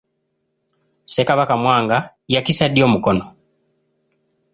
Ssekabaka Mwanga yakisa ddi omukono?